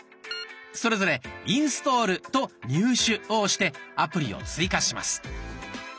それぞれ「インストール」と「入手」を押してアプリを追加します。